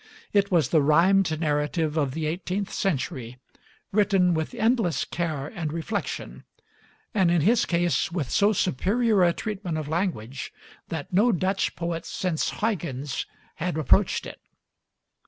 It was the rhymed narrative of the eighteenth century, written with endless care and reflection, and in his case with so superior a treatment of language that no Dutch poet since Huygens had approached it.